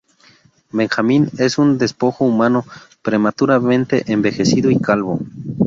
Benjamín es un despojo humano prematuramente envejecido y calvo.